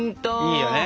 いいよね。